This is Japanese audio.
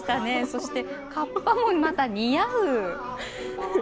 そして、カッパもまた似合う。